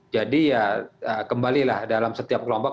jadi ya kembalilah dalam setiap kelompok